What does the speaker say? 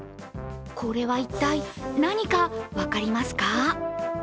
これは一体、何か分かりますか？